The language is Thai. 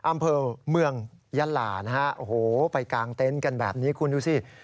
อำเภอเมืองยะลานะฮะโอ้โหไปกางเต็นต์กันแบบนี้คุณดูสิ